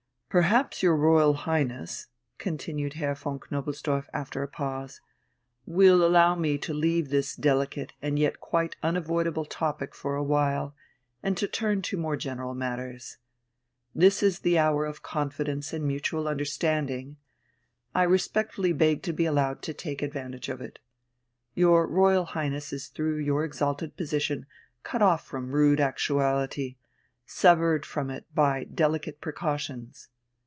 "Perhaps your Royal Highness," continued Herr von Knobelsdorff after a pause, "will allow me to leave this delicate and yet quite unavoidable topic for a while, and to turn to more general matters! This is the hour of confidence and mutual understanding ... I respectfully beg to be allowed to take advantage of it. Your Royal Highness is through your exalted position cut off from rude actuality, severed from it by delicate precautions.